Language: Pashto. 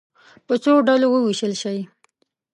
په څو ډلو وویشل شئ.